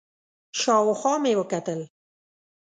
شاوخوا مې وکتل،